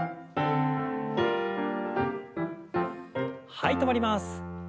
はい止まります。